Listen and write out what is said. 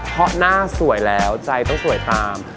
เพราะหน้าสวยแล้วใจต้องสวยตาม